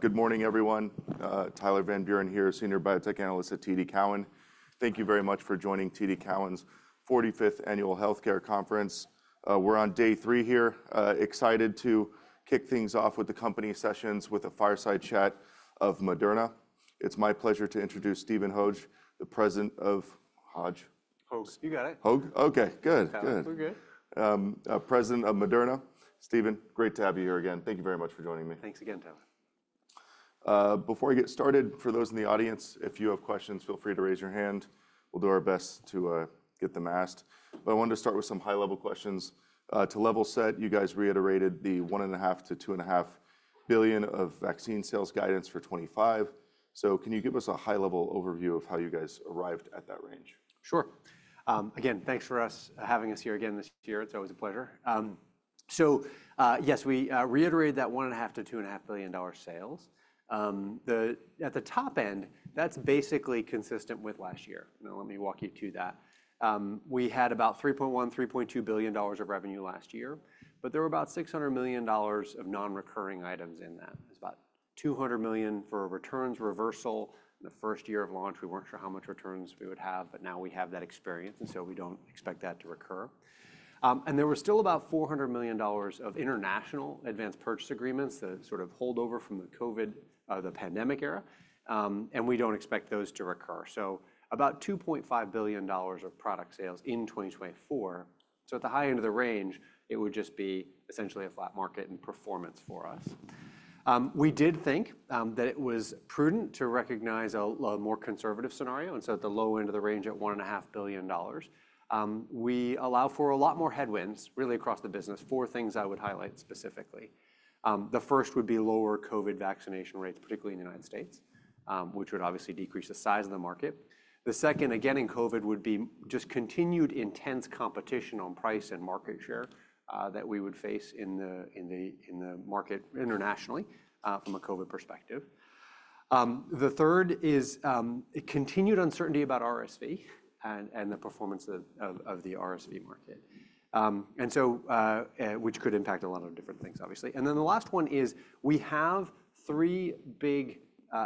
Good morning, everyone. Tyler Van Buren here, Senior Biotech Analyst at TD Cowen. Thank you very much for joining TD Cowen's 45th Annual Healthcare Conference. We're on day three here. Excited to kick things off with the company sessions with a fireside chat of Moderna. It's my pleasure to introduce Stephen Hoge, the President Hoge, you got it. Hoge? Okay, good. We're good. President of Moderna. Stephen, great to have you here again. Thank you very much for joining me. Thanks again, Tyler. Before I get started, for those in the audience, if you have questions, feel free to raise your hand. We'll do our best to get them asked. But I wanted to start with some high-level questions. To level set, you guys reiterated the $1.5 billion-$2.5 billion of vaccine sales guidance for 2025. So can you give us a high-level overview of how you guys arrived at that range? Sure. Again, thanks for having us here again this year. It's always a pleasure. So yes, we reiterated that $1.5-$2.5 billion sales. At the top end, that's basically consistent with last year. Now, let me walk you through that. We had about $3.1-$3.2 billion of revenue last year, but there were about $600 million of non-recurring items in that. There's about $200 million for returns reversal. In the first year of launch, we weren't sure how much returns we would have, but now we have that experience, and so we don't expect that to recur. And there were still about $400 million of international advance purchase agreements, the sort of holdover from the COVID, the pandemic era. And we don't expect those to recur. So about $2.5 billion of product sales in 2024. So at the high end of the range, it would just be essentially a flat market in performance for us. We did think that it was prudent to recognize a more conservative scenario. And so at the low end of the range at $1.5 billion, we allow for a lot more headwinds, really across the business, four things I would highlight specifically. The first would be lower COVID vaccination rates, particularly in the United States, which would obviously decrease the size of the market. The second, again in COVID, would be just continued intense competition on price and market share that we would face in the market internationally from a COVID perspective. The third is continued uncertainty about RSV and the performance of the RSV market, which could impact a lot of different things, obviously. And then the last one is, we have three big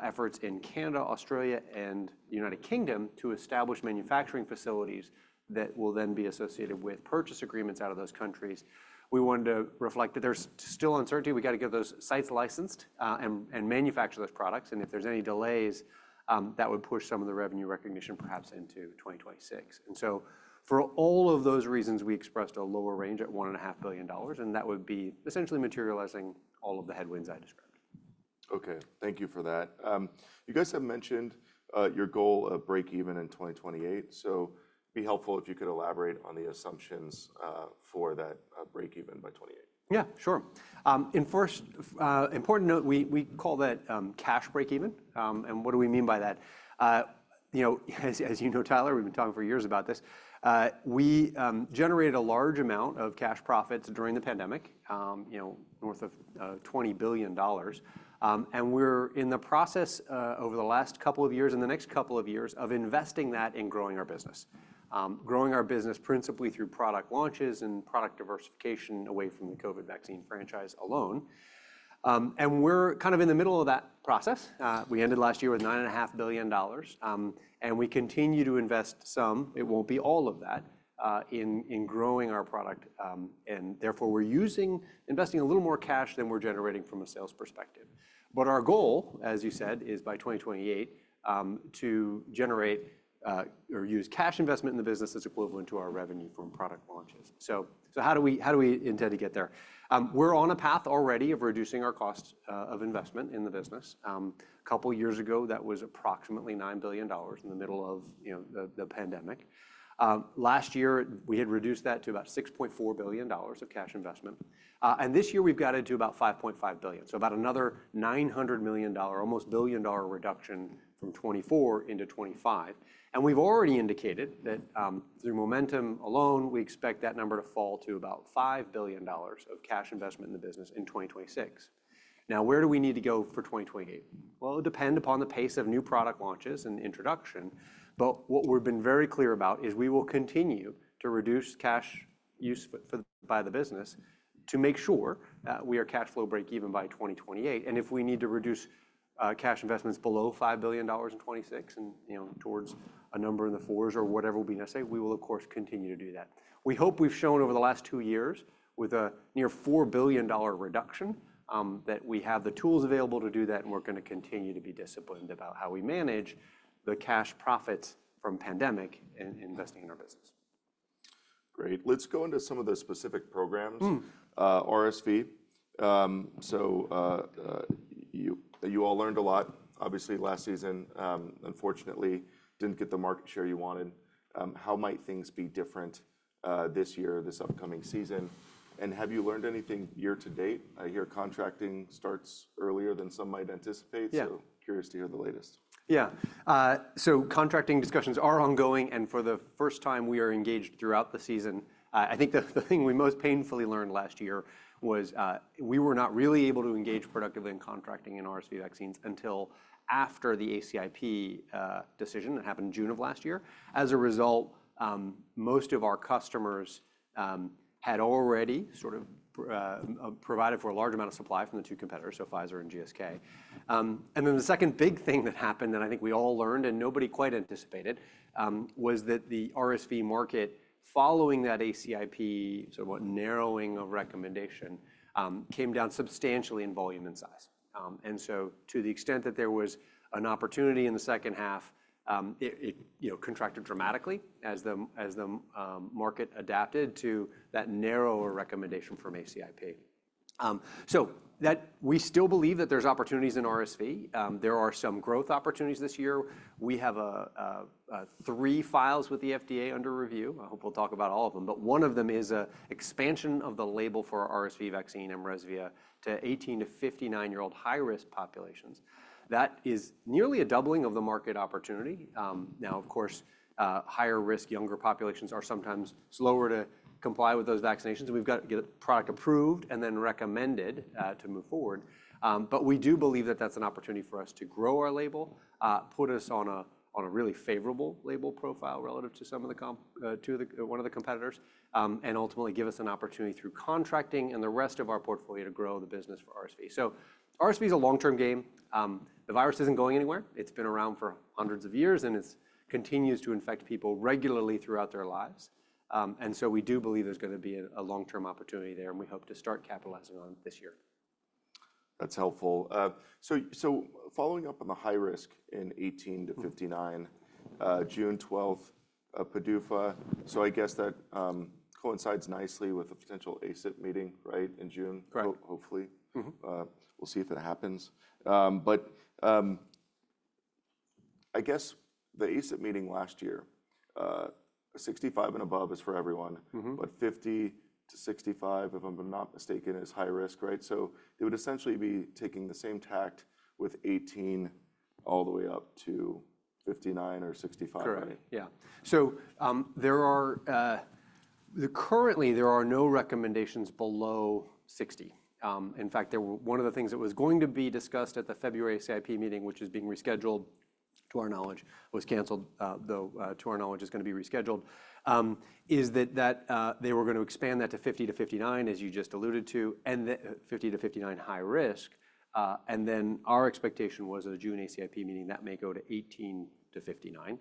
efforts in Canada, Australia, and the United Kingdom to establish manufacturing facilities that will then be associated with purchase agreements out of those countries. We wanted to reflect that there's still uncertainty. We got to get those sites licensed and manufacture those products. And if there's any delays, that would push some of the revenue recognition perhaps into 2026. And so for all of those reasons, we expressed a lower range at $1.5 billion. And that would be essentially materializing all of the headwinds I described. Okay, thank you for that. You guys have mentioned your goal of breakeven in 2028. So it'd be helpful if you could elaborate on the assumptions for that breakeven by '28. Yeah, sure. Important note, we call that cash breakeven. And what do we mean by that? As you know, Tyler, we've been talking for years about this. We generated a large amount of cash profits during the pandemic, north of $20 billion, and we're in the process over the last couple of years and the next couple of years of investing that in growing our business, growing our business principally through product launches and product diversification away from the COVID vaccine franchise alone, and we're kind of in the middle of that process. We ended last year with $9.5 billion, and we continue to invest some. It won't be all of that in growing our product, and therefore, we're investing a little more cash than we're generating from a sales perspective. But our goal, as you said, is by 2028 to generate or use cash investment in the business as equivalent to our revenue from product launches. So how do we intend to get there? We're on a path already of reducing our cost of investment in the business. A couple of years ago, that was approximately $9 billion in the middle of the pandemic. Last year, we had reduced that to about $6.4 billion of cash investment. And this year, we've got it to about $5.5 billion. So about another $900 million, almost billion-dollar reduction from 2024 into 2025. And we've already indicated that through momentum alone, we expect that number to fall to about $5 billion of cash investment in the business in 2026. Now, where do we need to go for 2028? Well, it will depend upon the pace of new product launches and introduction. But what we've been very clear about is we will continue to reduce cash use by the business to make sure we are cash flow breakeven by 2028. And if we need to reduce cash investments below $5 billion in 2026 and towards a number in the fours or whatever will be necessary, we will, of course, continue to do that. We hope we've shown over the last two years with a near $4 billion reduction that we have the tools available to do that, and we're going to continue to be disciplined about how we manage the cash profits from pandemic and investing in our business. Great. Let's go into some of the specific programs, RSV. So you all learned a lot, obviously, last season. Unfortunately, didn't get the market share you wanted. How might things be different this year, this upcoming season? And have you learned anything year to date? I hear contracting starts earlier than some might anticipate. So curious to hear the latest. Yeah. So contracting discussions are ongoing. And for the first time, we are engaged throughout the season. I think the thing we most painfully learned last year was we were not really able to engage productively in contracting in RSV vaccines until after the ACIP decision that happened in June of last year. As a result, most of our customers had already sort of provided for a large amount of supply from the two competitors, so Pfizer and GSK. And then the second big thing that happened, and I think we all learned and nobody quite anticipated, was that the RSV market following that ACIP, sort of what narrowing of recommendation, came down substantially in volume and size. And so to the extent that there was an opportunity in the second half, it contracted dramatically as the market adapted to that narrower recommendation from ACIP. So we still believe that there's opportunities in RSV. There are some growth opportunities this year. We have three files with the FDA under review. I hope we'll talk about all of them. But one of them is an expansion of the label for RSV vaccine and mRESVIA to 18 to 59-year-old high-risk populations. That is nearly a doubling of the market opportunity. Now, of course, higher-risk younger populations are sometimes slower to comply with those vaccinations. We've got to get a product approved and then recommended to move forward. But we do believe that that's an opportunity for us to grow our label, put us on a really favorable label profile relative to one of the competitors, and ultimately give us an opportunity through contracting and the rest of our portfolio to grow the business for RSV. So RSV is a long-term game. The virus isn't going anywhere. It's been around for hundreds of years, and it continues to infect people regularly throughout their lives. And so we do believe there's going to be a long-term opportunity there, and we hope to start capitalizing on it this year. That's helpful. So following up on the high risk in 18 to 59, June 12th, PDUFA. So I guess that coincides nicely with a potential ACIP meeting, right, in June, hopefully. We'll see if it happens. But I guess the ACIP meeting last year, 65 and above is for everyone, but 50 to 65, if I'm not mistaken, is high risk, right? So they would essentially be taking the same tack with 18 all the way up to 59 or 65, right? Correct. Yeah. So currently, there are no recommendations below 60. In fact, one of the things that was going to be discussed at the February ACIP meeting, which is being rescheduled, to our knowledge, was canceled, though to our knowledge, it's going to be rescheduled, is that they were going to expand that to 50-59, as you just alluded to, and 50-59 high risk. And then our expectation was at a June ACIP meeting that may go to 18-59.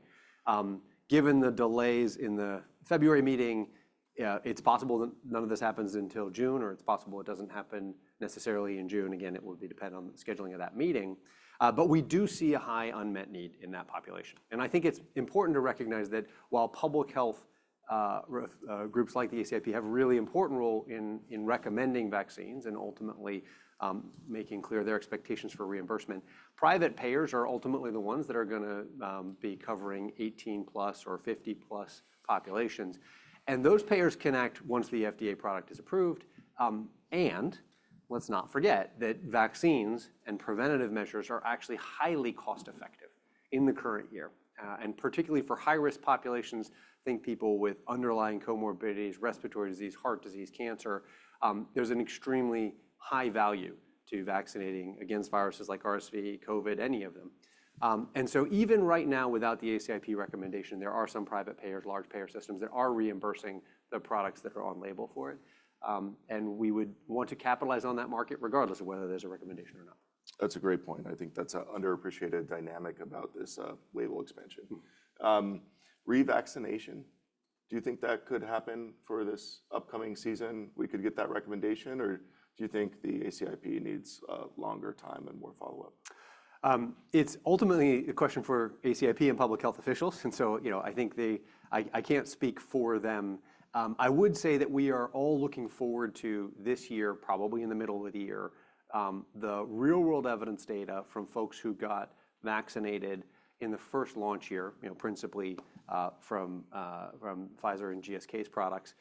Given the delays in the February meeting, it's possible that none of this happens until June, or it's possible it doesn't happen necessarily in June. Again, it will depend on the scheduling of that meeting. But we do see a high unmet need in that population. And I think it's important to recognize that while public health groups like the ACIP have a really important role in recommending vaccines and ultimately making clear their expectations for reimbursement, private payers are ultimately the ones that are going to be covering 18-plus or 50-plus populations. And those payers can act once the FDA product is approved. And let's not forget that vaccines and preventative measures are actually highly cost-effective in the current year. And particularly for high-risk populations, I think people with underlying comorbidities, respiratory disease, heart disease, cancer, there's an extremely high value to vaccinating against viruses like RSV, COVID, any of them. And so even right now, without the ACIP recommendation, there are some private payers, large payer systems that are reimbursing the products that are on label for it. We would want to capitalize on that market regardless of whether there's a recommendation or not. That's a great point. I think that's an underappreciated dynamic about this label expansion. Revaccination, do you think that could happen for this upcoming season? We could get that recommendation, or do you think the ACIP needs longer time and more follow-up? It's ultimately a question for ACIP and public health officials, and so I think I can't speak for them. I would say that we are all looking forward to this year, probably in the middle of the year, the real-world evidence data from folks who got vaccinated in the first launch year, principally from Pfizer and GSK's products,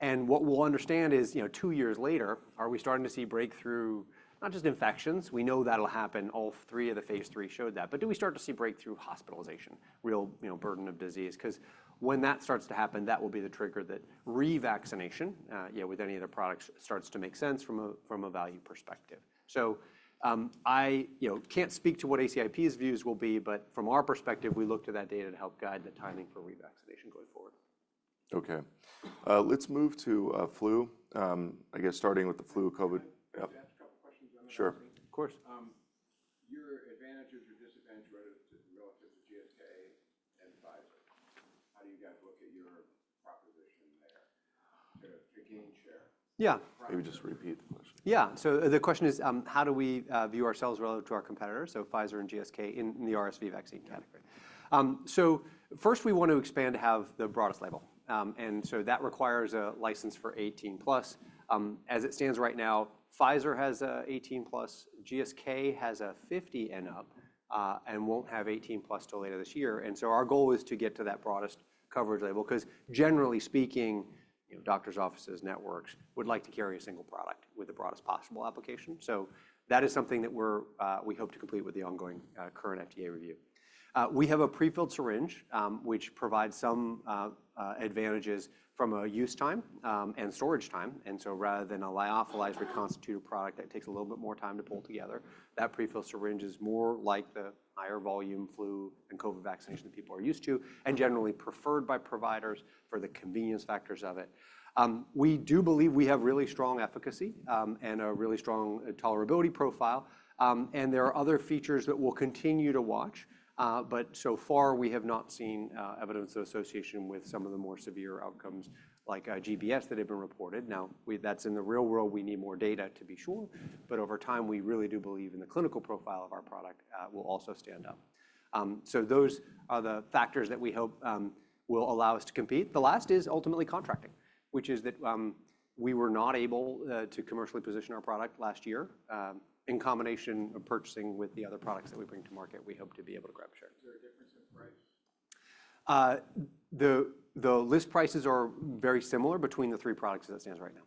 and what we'll understand is two years later, are we starting to see breakthrough, not just infections? We know that'll happen. All three of Phase 3 showed that, but do we start to see breakthrough hospitalization, real burden of disease? Because when that starts to happen, that will be the trigger that revaccination, with any other products, starts to make sense from a value perspective.I can't speak to what ACIP's views will be, but from our perspective, we look to that data to help guide the timing for revaccination going forward. Okay. Let's move to flu, I guess starting with the flu, COVID. Can I ask a couple of questions on that? Sure. Of course. Your advantages or disadvantages relative to GSK and Pfizer, how do you guys look at your proposition there to gain share? Yeah. Maybe just repeat the question. Yeah. So the question is, how do we view ourselves relative to our competitors, so Pfizer and GSK in the RSV vaccine category? So first, we want to expand to have the broadest label. And so that requires a license for 18-plus. As it stands right now, Pfizer has an 18-plus, GSK has a 50 and up, and won't have 18-plus till later this year. And so our goal is to get to that broadest coverage label because, generally speaking, doctors' offices, networks would like to carry a single product with the broadest possible application. So that is something that we hope to complete with the ongoing current FDA review. We have a prefilled syringe, which provides some advantages from a use time and storage time. And so rather than a lyophilized reconstituted product that takes a little bit more time to pull together, that prefilled syringe is more like the higher volume flu and COVID vaccination that people are used to and generally preferred by providers for the convenience factors of it. We do believe we have really strong efficacy and a really strong tolerability profile. And there are other features that we'll continue to watch. But so far, we have not seen evidence of association with some of the more severe outcomes like GBS that have been reported. Now, that's in the real world. We need more data to be sure. But over time, we really do believe in the clinical profile of our product will also stand up. So those are the factors that we hope will allow us to compete. The last is ultimately contracting, which is that we were not able to commercially position our product last year in combination of purchasing with the other products that we bring to market. We hope to be able to grab a share. Is there a difference in price? The list prices are very similar between the three products as it stands right now.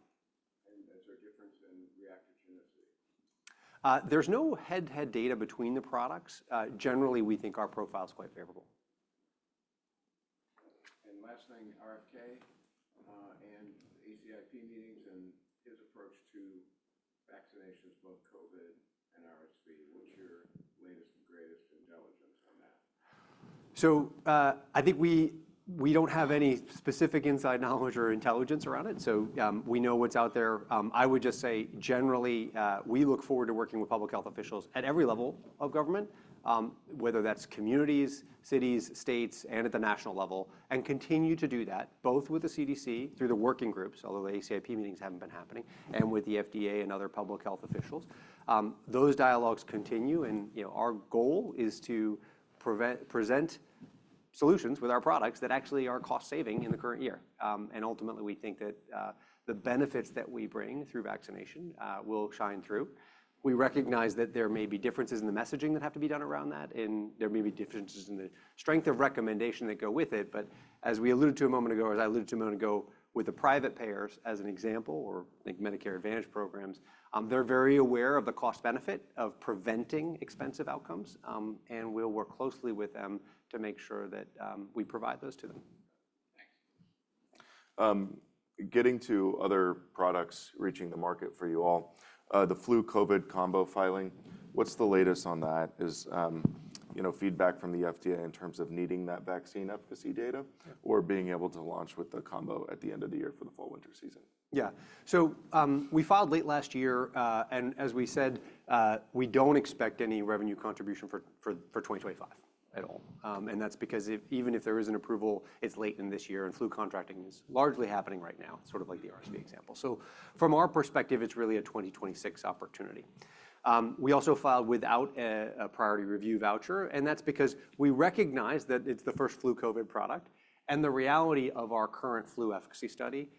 Is there a difference in reactogenicity? There's no head-to-head data between the products. Generally, we think our profile is quite favorable. And last thing, RFK and ACIP meetings and his approach to vaccinations, both COVID and RSV. What's your latest and greatest intelligence on that? So I think we don't have any specific inside knowledge or intelligence around it. So we know what's out there. I would just say, generally, we look forward to working with public health officials at every level of government, whether that's communities, cities, states, and at the national level, and continue to do that both with the CDC through the working groups, although the ACIP meetings haven't been happening, and with the FDA and other public health officials. Those dialogues continue. And our goal is to present solutions with our products that actually are cost-saving in the current year. And ultimately, we think that the benefits that we bring through vaccination will shine through. We recognize that there may be differences in the messaging that have to be done around that, and there may be differences in the strength of recommendation that go with it.but as we alluded to a moment ago, as I alluded to a moment ago, with the private payers as an example, or I think Medicare Advantage programs, they're very aware of the cost-benefit of preventing expensive outcomes. And we'll work closely with them to make sure that we provide those to them. Thanks. Getting to other products reaching the market for you all, the Flu/COVID combo filing, what's the latest on that? Is feedback from the FDA in terms of needing that vaccine efficacy data or being able to launch with the combo at the end of the year for the fall/winter season? Yeah. So we filed late last year. And as we said, we don't expect any revenue contribution for 2025 at all. And that's because even if there is an approval, it's late in this year. And flu contracting is largely happening right now, sort of like the RSV example. So from our perspective, it's really a 2026 opportunity. We also filed without a priority review voucher. And that's because we recognize that it's the first flu/COVID product. And the reality of our current flu efficacy study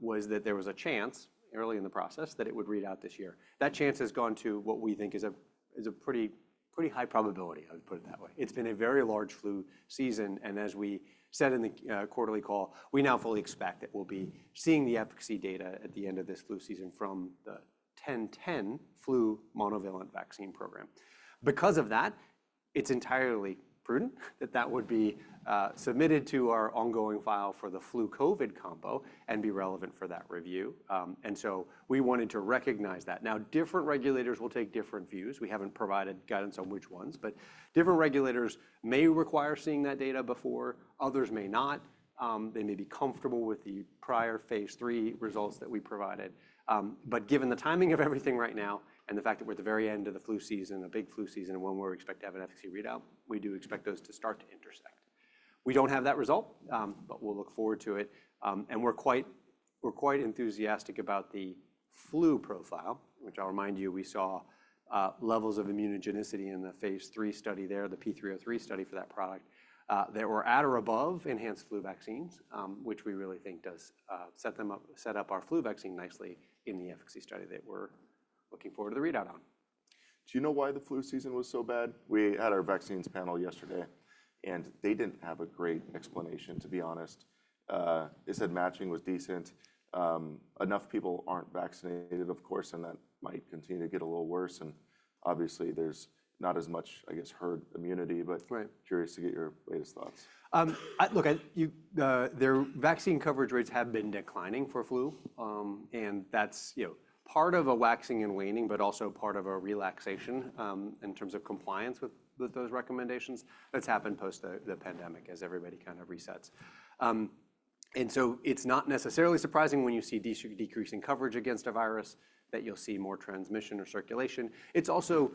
was that there was a chance early in the process that it would read out this year. That chance has gone to what we think is a pretty high probability, I would put it that way. It's been a very large flu season. And as we said in the quarterly call, we now fully expect that we'll be seeing the efficacy data at the end of this flu season from the 10-10 flu monovalent vaccine program. Because of that, it's entirely prudent that that would be submitted to our ongoing file for the flu/COVID combo and be relevant for that review. And so we wanted to recognize that. Now, different regulators will take different views. We haven't provided guidance on which ones. But different regulators may require seeing that data before. Others may not. They may be comfortable with the phase 3 results that we provided. But given the timing of everything right now and the fact that we're at the very end of the flu season, a big flu season, and when we expect to have an efficacy readout, we do expect those to start to intersect. We don't have that result, but we'll look forward to it, and we're quite enthusiastic about the flu profile, which I'll remind you we saw levels of immunogenicity in the phase 3 study there, the P303 study for that product, that were at or above enhanced flu vaccines, which we really think does set up our flu vaccine nicely in the efficacy study that we're looking forward to the readout on. Do you know why the flu season was so bad? We had our vaccines panel yesterday, and they didn't have a great explanation, to be honest. They said matching was decent. Enough people aren't vaccinated, of course, and that might continue to get a little worse. And obviously, there's not as much, I guess, herd immunity. But curious to get your latest thoughts. Look, their vaccine coverage rates have been declining for flu. And that's part of a waxing and waning, but also part of a relaxation in terms of compliance with those recommendations. That's happened post the pandemic as everybody kind of resets. And so it's not necessarily surprising when you see decreasing coverage against a virus that you'll see more transmission or circulation. It's also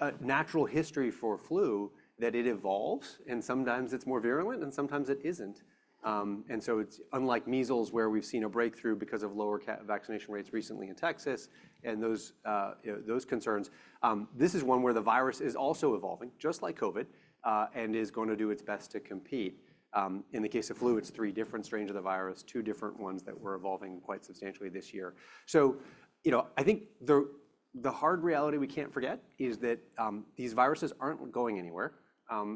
a natural history for flu that it evolves, and sometimes it's more virulent, and sometimes it isn't. And so it's unlike measles where we've seen a breakthrough because of lower vaccination rates recently in Texas and those concerns. This is one where the virus is also evolving, just like COVID, and is going to do its best to compete. In the case of flu, it's three different strains of the virus, two different ones that were evolving quite substantially this year. I think the hard reality we can't forget is that these viruses aren't going anywhere.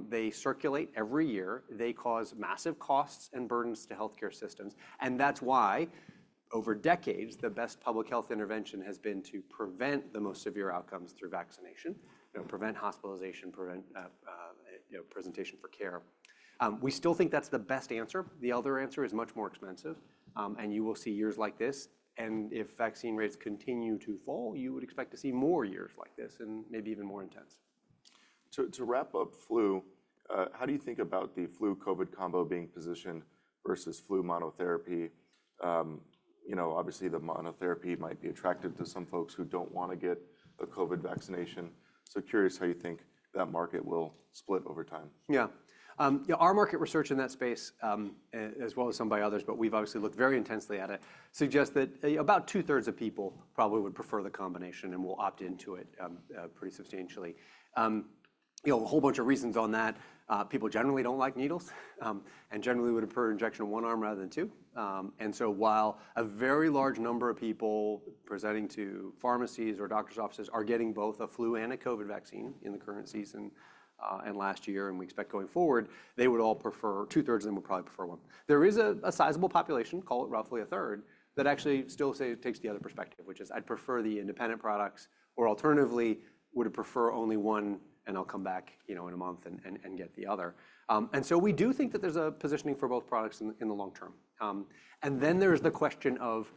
They circulate every year. They cause massive costs and burdens to healthcare systems. That's why, over decades, the best public health intervention has been to prevent the most severe outcomes through vaccination, prevent hospitalization, prevent presentation for care. We still think that's the best answer. The other answer is much more expensive. You will see years like this. If vaccine rates continue to fall, you would expect to see more years like this and maybe even more intense. To wrap up flu, how do you think about the flu/COVID combo being positioned versus flu monotherapy? Obviously, the monotherapy might be attractive to some folks who don't want to get a COVID vaccination. So curious how you think that market will split over time. Yeah. Our market research in that space, as well as some by others, but we've obviously looked very intensely at it, suggests that about two-thirds of people probably would prefer the combination and will opt into it pretty substantially. A whole bunch of reasons on that. People generally don't like needles and generally would prefer injection of one arm rather than two. And so while a very large number of people presenting to pharmacies or doctors' offices are getting both a flu and a COVID vaccine in the current season and last year and we expect going forward, they would all prefer two-thirds of them would probably prefer one. There is a sizable population, call it roughly a third, that actually still takes the other perspective, which is I'd prefer the independent products or alternatively would have preferred only one, and I'll come back in a month and get the other, and so we do think that there's a positioning for both products in the long term, and then there's the question of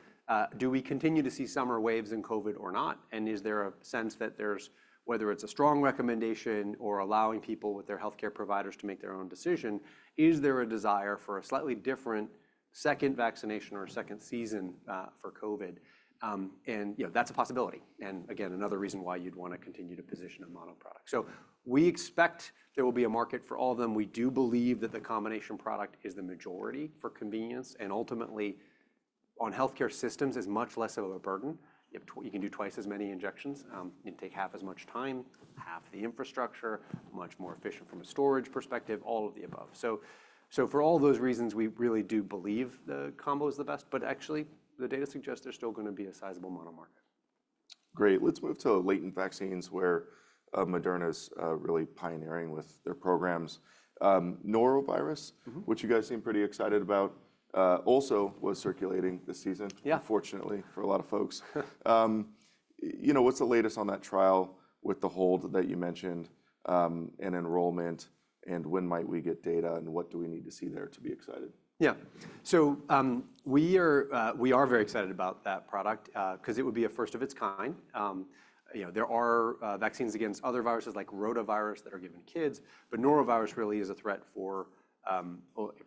do we continue to see summer waves in COVID or not, and is there a sense that there's, whether it's a strong recommendation or allowing people with their healthcare providers to make their own decision, is there a desire for a slightly different second vaccination or second season for COVID, and that's a possibility, and again, another reason why you'd want to continue to position a mono product, so we expect there will be a market for all of them. We do believe that the combination product is the majority for convenience, and ultimately, on healthcare systems, it's much less of a burden. You can do twice as many injections. It can take half as much time, half the infrastructure, much more efficient from a storage perspective, all of the above, so for all those reasons, we really do believe the combo is the best, but actually, the data suggests there's still going to be a sizable mono market. Great. Let's move to latent vaccines where Moderna is really pioneering with their programs. Norovirus, which you guys seem pretty excited about, also was circulating this season, unfortunately for a lot of folks. What's the latest on that trial with the hold that you mentioned and enrollment? And when might we get data? And what do we need to see there to be excited? Yeah. So we are very excited about that product because it would be a first of its kind. There are vaccines against other viruses like rotavirus that are given to kids. But norovirus really is a threat for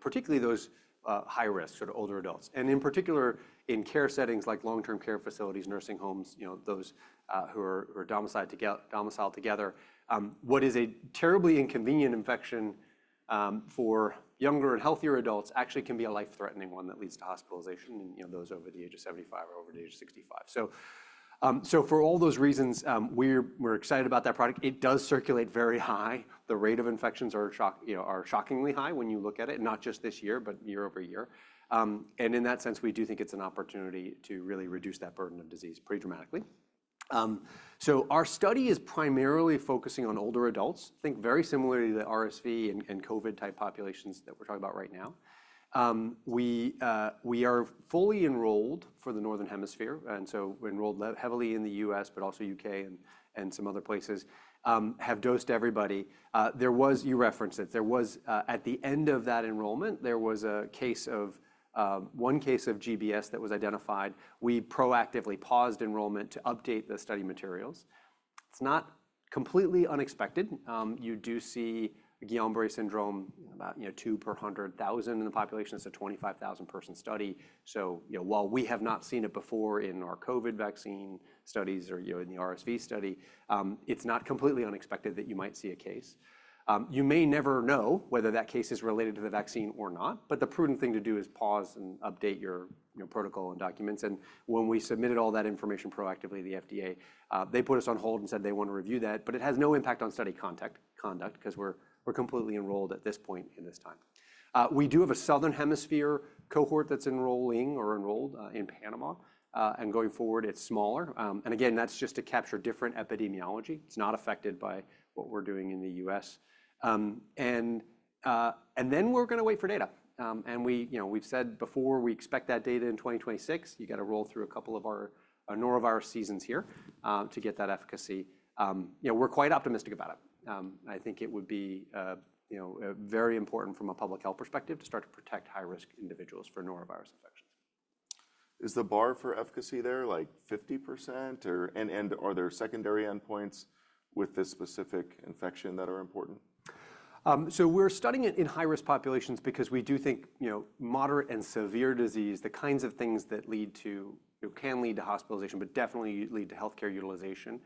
particularly those high-risk, sort of older adults. And in particular, in care settings like long-term care facilities, nursing homes, those who are domiciled together, what is a terribly inconvenient infection for younger and healthier adults actually can be a life-threatening one that leads to hospitalization in those over the age of 75 or over the age of 65. So for all those reasons, we're excited about that product. It does circulate very high. The rate of infections are shockingly high when you look at it, not just this year, but year-over-year. And in that sense, we do think it's an opportunity to really reduce that burden of disease pretty dramatically. So our study is primarily focusing on older adults, I think very similarly to the RSV and COVID-type populations that we're talking about right now. We are fully enrolled for the northern hemisphere. And so we're enrolled heavily in the U.S., but also U.K. and some other places, have dosed everybody. You referenced it. At the end of that enrollment, there was one case of GBS that was identified. We proactively paused enrollment to update the study materials. It's not completely unexpected. You do see Guillain-Barré syndrome about two per 100,000 in the population. It's a 25,000-person study. So while we have not seen it before in our COVID vaccine studies or in the RSV study, it's not completely unexpected that you might see a case. You may never know whether that case is related to the vaccine or not. But the prudent thing to do is pause and update your protocol and documents. And when we submitted all that information proactively, the FDA, they put us on hold and said they want to review that. But it has no impact on study conduct because we're completely enrolled at this point in this time. We do have a southern hemisphere cohort that's enrolling or enrolled in Panama. And going forward, it's smaller. And again, that's just to capture different epidemiology. It's not affected by what we're doing in the U.S. And then we're going to wait for data. And we've said before we expect that data in 2026. You got to roll through a couple of our norovirus seasons here to get that efficacy. We're quite optimistic about it. I think it would be very important from a public health perspective to start to protect high-risk individuals for norovirus infections. Is the bar for efficacy there like 50%? And are there secondary endpoints with this specific infection that are important? So we're studying it in high-risk populations because we do think moderate and severe disease, the kinds of things that can lead to hospitalization, but definitely lead to healthcare utilization,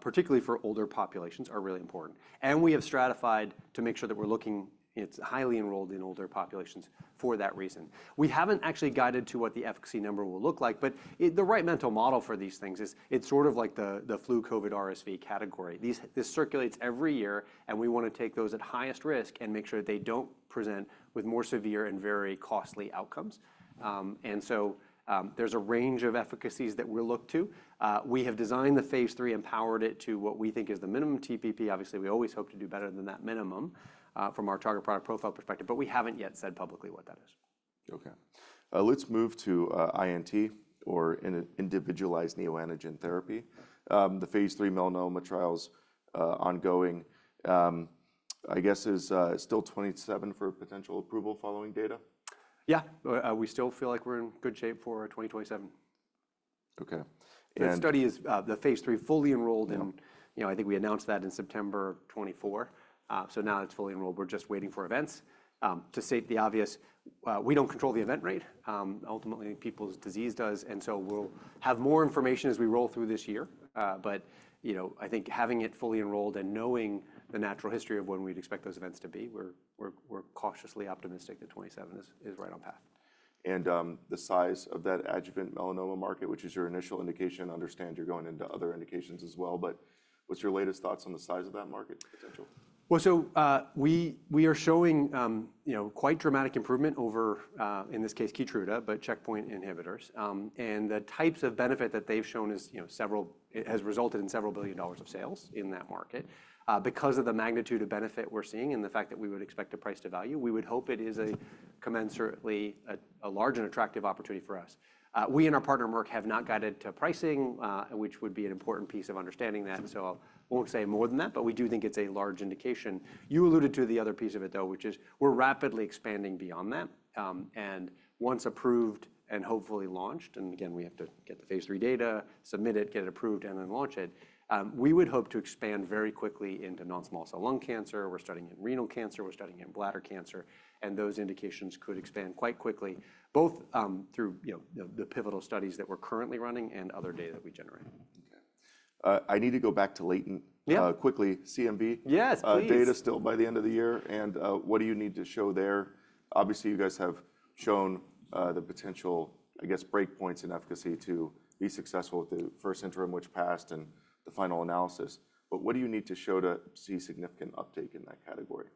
particularly for older populations, are really important. And we have stratified to make sure that we're looking, it's highly enrolled in older populations for that reason. We haven't actually guided to what the efficacy number will look like. But the right mental model for these things is, it's sort of like the flu/COVID RSV category. This circulates every year. And we want to take those at highest risk and make sure that they don't present with more severe and very costly outcomes. And so there's a range of efficacies that we'll look to. We have designed phase 3 and powered it to what we think is the minimum TPP. Obviously, we always hope to do better than that minimum from our target product profile perspective, but we haven't yet said publicly what that is. OK. Let's move to INT or Individualized Neoantigen Therapy. phase 3 melanoma trials ongoing, I guess, is still 2027 for potential approval following data? Yeah. We still feel like we're in good shape for 2027. OK. The phase 3 is fully enrolled. I think we announced that in September 2024. So now it's fully enrolled. We're just waiting for events. To state the obvious, we don't control the event rate. Ultimately, people's disease does. And so we'll have more information as we roll through this year. But I think having it fully enrolled and knowing the natural history of when we'd expect those events to be, we're cautiously optimistic that 2027 is right on path. The size of that adjuvant melanoma market, which is your initial indication. Understand you're going into other indications as well. What's your latest thoughts on the size of that market potential? Well, so we are showing quite dramatic improvement over, in this case, Keytruda, but checkpoint inhibitors. And the types of benefit that they've shown has resulted in several billion of sales in that market. Because of the magnitude of benefit we're seeing and the fact that we would expect a price to value, we would hope it is commensurately a large and attractive opportunity for us. We and our partner Merck have not guided to pricing, which would be an important piece of understanding that. So I won't say more than that. But we do think it's a large indication. You alluded to the other piece of it, though, which is we're rapidly expanding beyond that. And once approved and hopefully launched, and again, we have to get phase 3 data, submit it, get it approved, and then launch it, we would hope to expand very quickly into non-small cell lung cancer. We're studying it in renal cancer. We're studying it in bladder cancer. And those indications could expand quite quickly, both through the pivotal studies that we're currently running and other data that we generate. OK. I need to go back to latent quickly. CMV. Yes. Data still by the end of the year. And what do you need to show there? Obviously, you guys have shown the potential, I guess, breakpoints in efficacy to be successful with the first interim, which passed, and the final analysis. But what do you need to show to see significant uptake in that category?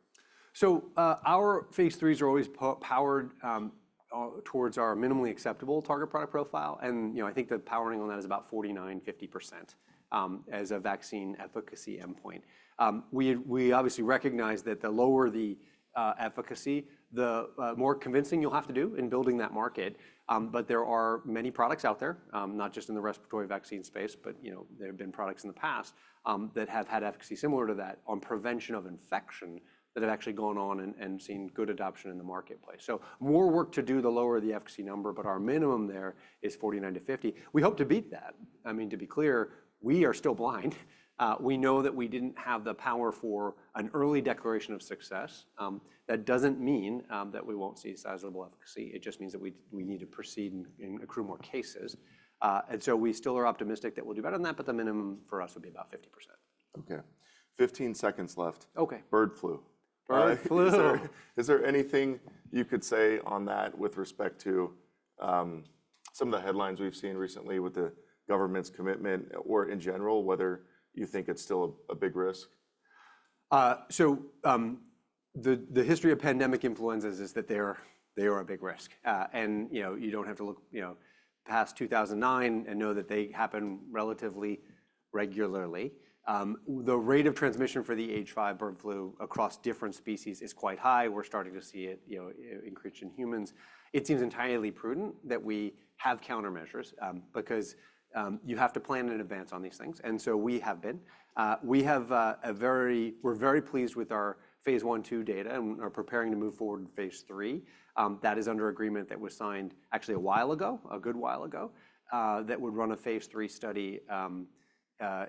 Our Phase 3s are always powered towards our minimally acceptable target product profile. And I think the powering on that is about 49%-50% as a vaccine efficacy endpoint. We obviously recognize that the lower the efficacy, the more convincing you'll have to do in building that market. But there are many products out there, not just in the respiratory vaccine space, but there have been products in the past that have had efficacy similar to that on prevention of infection that have actually gone on and seen good adoption in the marketplace. So more work to do the lower the efficacy number. But our minimum there is 49%-50%. We hope to beat that. I mean, to be clear, we are still blind. We know that we didn't have the power for an early declaration of success. That doesn't mean that we won't see sizable efficacy.It just means that we need to proceed and accrue more cases, and so we still are optimistic that we'll do better than that, but the minimum for us would be about 50%. OK. 15 seconds left. OK. Bird flu. Bird flu. Is there anything you could say on that with respect to some of the headlines we've seen recently with the government's commitment or in general, whether you think it's still a big risk? So the history of pandemic influenzas is that they are a big risk. And you don't have to look past 2009 and know that they happen relatively regularly. The rate of transmission for the H5 bird flu across different species is quite high. We're starting to see it increase in humans. It seems entirely prudent that we have countermeasures because you have to plan in advance on these things. And so we have been. We're very pleased with our Phase 1/2 data. And we are preparing to move phase 3. that is under agreement that was signed actually a while ago, a good while ago, that would run phase 3 study in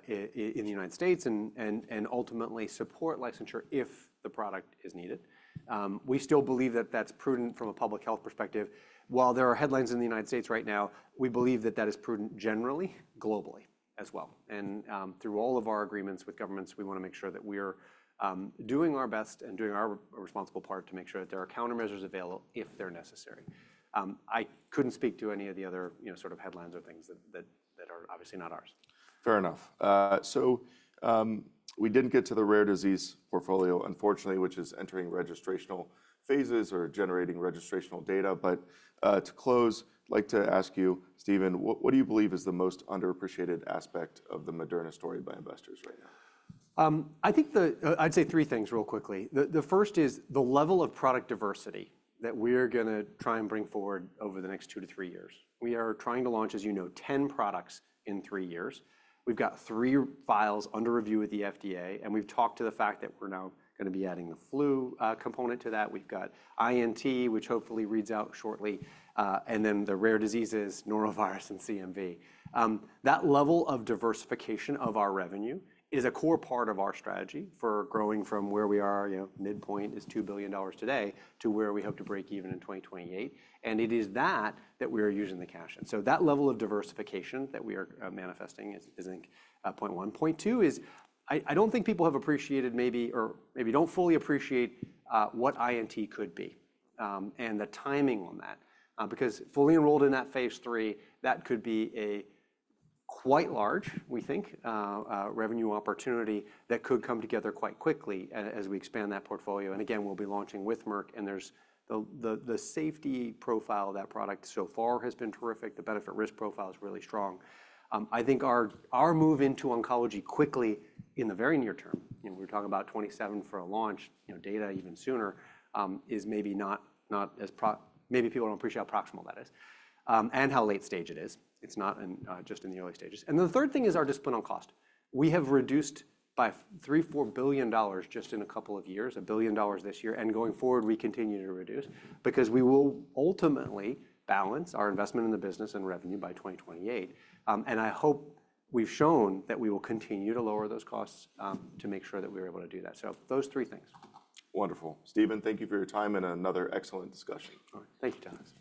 the United States and ultimately support licensure if the product is needed. We still believe that that's prudent from a public health perspective. While there are headlines in the United States right now, we believe that that is prudent generally, globally as well. And through all of our agreements with governments, we want to make sure that we are doing our best and doing our responsible part to make sure that there are countermeasures available if they're necessary. I couldn't speak to any of the other sort of headlines or things that are obviously not ours. Fair enough. So we didn't get to the rare disease portfolio, unfortunately, which is entering registrational phases or generating registrational data. But to close, I'd like to ask you, Stephen, what do you believe is the most underappreciated aspect of the Moderna story by investors right now? I'd say three things real quickly. The first is the level of product diversity that we're going to try and bring forward over the next two to three years. We are trying to launch, as you know, 10 products in three years. We've got three files under review with the FDA. And we've talked to the fact that we're now going to be adding the flu component to that. We've got INT, which hopefully reads out shortly, and then the rare diseases, norovirus and CMV. That level of diversification of our revenue is a core part of our strategy for growing from where we are. Midpoint is $2 billion today to where we hope to break even in 2028. And it is that that we are using the cash in. So that level of diversification that we are manifesting is 0.1. I don't think people have appreciated maybe or maybe don't fully appreciate what INT could be and the timing on that. Because fully enrolled in phase 3, that could be a quite large, we think, revenue opportunity that could come together quite quickly as we expand that portfolio, and again, we'll be launching with Merck, and the safety profile of that product so far has been terrific. The benefit-risk profile is really strong. I think our move into oncology quickly in the very near term, we're talking about 2027 for a launch, data even sooner, is maybe not as maybe people don't appreciate how proximal that is and how late stage it is. It's not just in the early stages, and the third thing is our discipline on cost. We have reduced by $3-4 billion just in a couple of years, $1 billion this year. And going forward, we continue to reduce because we will ultimately balance our investment in the business and revenue by 2028. And I hope we've shown that we will continue to lower those costs to make sure that we're able to do that. So those three things. Wonderful. Stephen, thank you for your time and another excellent discussion. Thank you, joining us.